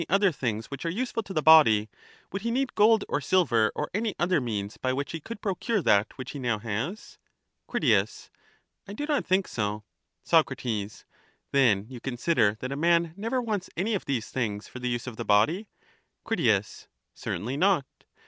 other things which are useful to the body, would he need saverwoaid gold or silver or any other means by which he could procure bensefcssif that which he now has? i[3 ™:. Crit. I do not think so. _s , i. Soc. Then you consider that a man never wants any of beafone*!^ these things for the use of the body useless, at Cnt. Certainly not.